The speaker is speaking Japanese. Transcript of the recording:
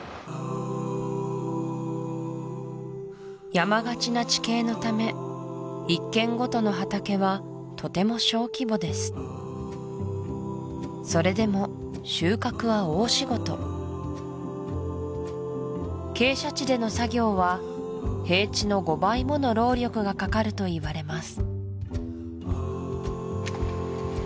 山がちな地形のため一軒ごとの畑はとても小規模ですそれでも収穫は大仕事傾斜地での作業は平地の５倍もの労力がかかるといわれます